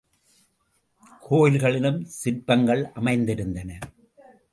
கோயில்களிலும், சிற்பங்கள் அமைந்திருந்தன.